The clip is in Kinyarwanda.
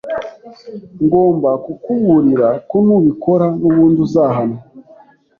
Ngomba kukuburira ko nubikora nubundi uzahanwa.